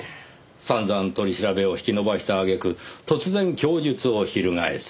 散々取り調べを引き延ばした揚げ句突然供述を翻す。